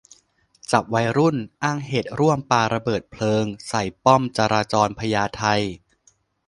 จับวัยรุ่น อ้างเหตุร่วมปาระเบิดเพลิงใส่ป้อมจราจรพญาไท